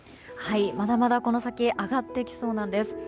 まだまだ、この先上がってきそうなんです。